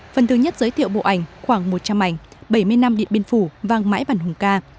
phần thứ nhất giới thiệu bộ ảnh khoảng một trăm linh ảnh bảy mươi năm điện biên phủ vàng mãi bản hùng ca